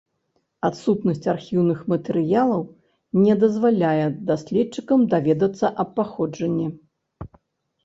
Адсутнасць архіўных матэрыялаў не дазваляе даследчыкам даведацца аб паходжанні.